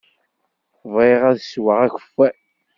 Bɣiɣ ad sweɣ akeffay.